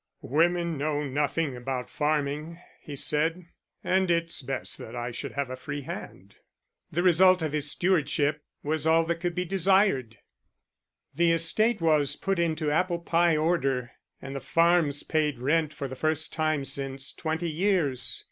"Women know nothing about farming," he said, "and it's best that I should have a free hand." The result of his stewardship was all that could be desired; the estate was put into apple pie order, and the farms paid rent for the first time since twenty years.